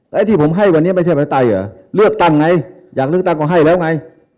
แล้วที่ผมให้วันนี้ไม่ใช่ประสาทไตรเหรอเลือกตังค์ไงอยากเลือกตังค์ก็ให้แล้วไง